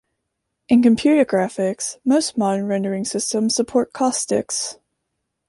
In computer graphics, most modern rendering systems support caustics.